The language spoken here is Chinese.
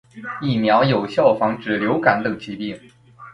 疫苗有效防止流感等疾病。